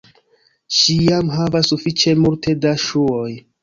Ŝi jam havas sufiĉe multe da ŝuoj